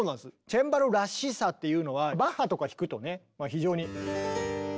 チェンバロらしさっていうのはバッハとか弾くとね非常に。